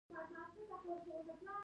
زه وايم غني دي وي غيرت دي وي